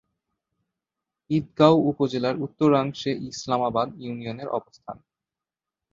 ঈদগাঁও উপজেলার উত্তরাংশে ইসলামাবাদ ইউনিয়নের অবস্থান।